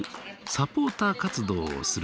サポーター活動をする。